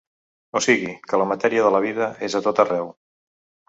O sigui que la matèria de la vida és a tot arreu.